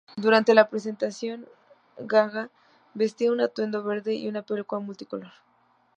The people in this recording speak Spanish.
Durante la presentación, Gaga vestía un atuendo verde y una peluca multicolor.